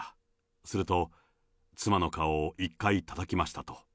すると、妻の顔を一回たたきましたと。